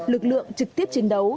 lực lượng trực tiếp chiến đấu